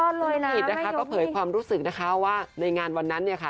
ผิดนะคะก็เผยความรู้สึกนะคะว่าในงานวันนั้นเนี่ยค่ะ